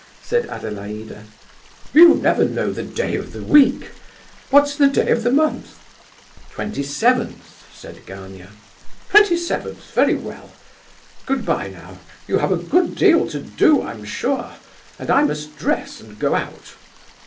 said Adelaida. "You never know the day of the week; what's the day of the month?" "Twenty seventh!" said Gania. "Twenty seventh; very well. Good bye now; you have a good deal to do, I'm sure, and I must dress and go out.